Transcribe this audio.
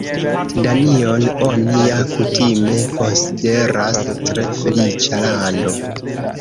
Danion oni ja kutime konsideras tre feliĉa lando.